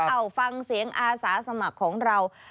เอาฟังเสียงอาสาสมัครของเรา